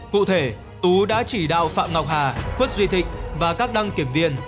cụ thể tú đã chỉ đạo phạm ngọc hà khuất duy thịnh và các đăng kiểm viên